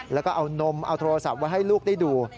แล้วก็เอานมเอาโทรศัพท์ไว้ให้ลูกได้ดู